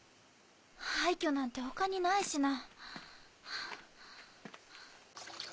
廃虚なんて他にないしな。